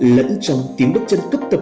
lẫn trong tiếng bước chân cấp tập